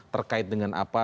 terkait dengan apa